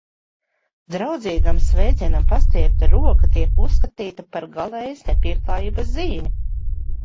Draudzīgam sveicienam pastiepta roka tiek uzskatīta par galējas nepieklājības zīmi.